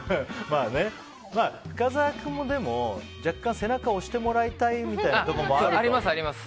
深澤君も若干背中押してもらいたいみたいなあります、あります。